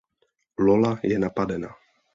Lola je napadena.